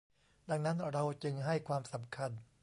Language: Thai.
ดังนั้นเราจึงให้ความสำคัญ